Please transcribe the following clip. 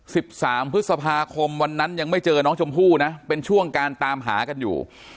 สิบสามพฤษภาคมวันนั้นยังไม่เจอน้องชมพู่นะเป็นช่วงการตามหากันอยู่